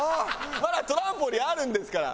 まだトランポリンあるんですから！